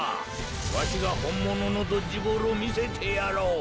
わしがほんもののドッジボールをみせてやろう。